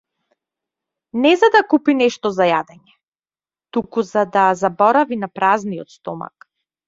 Не за да купи нешто за јадење, туку за да заборави на празниот стомак.